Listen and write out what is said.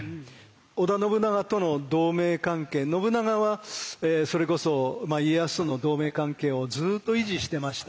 織田信長との同盟関係信長はそれこそ家康との同盟関係をずっと維持してました。